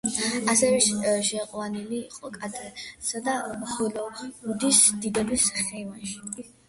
ასევე შეყვანილი იყო კანადისა და ჰოლივუდის დიდების ხეივანში.